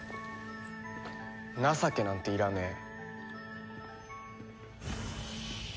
情けなんていらねえ。